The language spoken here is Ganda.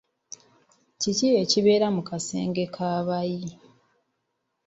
Kiki ekibeera mu kasenge k'abayi?